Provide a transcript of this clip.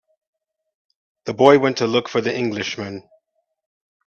The boy went to look for the Englishman.